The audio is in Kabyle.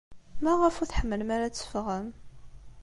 Maɣef ur tḥemmlem ara ad teffɣem?